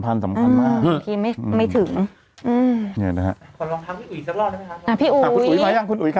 พี่อ๋อมสกาวใจก็ล่ะ